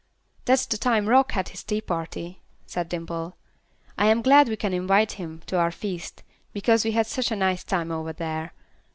"That's the time Rock had his tea party," said Dimple. "I am glad we can invite him to our feast, because we had such a nice time over there.